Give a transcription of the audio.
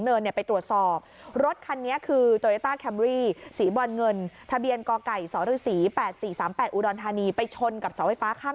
เดี๋ยวเล่าให้ฟังค่ะคุณผู้ชม